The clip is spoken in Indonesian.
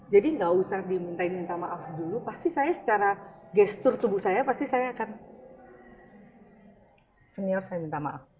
jadi gak usah diminta minta maaf dulu pasti saya secara gestur tubuh saya pasti saya akan senior saya minta maaf